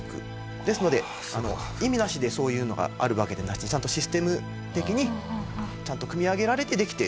ですので意味なしでそういうのがあるわけでなしにちゃんとシステム的にちゃんと組み上げられてできている。